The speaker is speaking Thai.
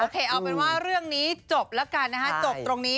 เอาเป็นว่าเรื่องนี้จบแล้วกันนะฮะจบตรงนี้